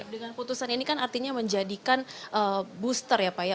dengan putusan ini kan artinya menjadikan booster ya pak ya